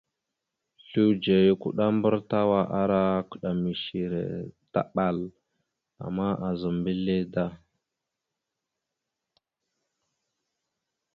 Sludze ya kuɗambar tawa ara kəɗaməsara taɓal, ama aazam mbile da.